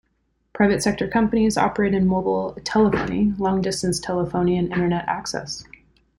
Private sector companies operate in mobile telephony, long distance telephony and Internet access.